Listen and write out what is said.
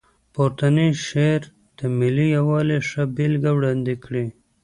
پورتنی شعر د ملي یووالي ښه بېلګه وړاندې کړې.